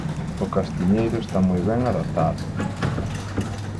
O castiñeiro está moi ben adaptado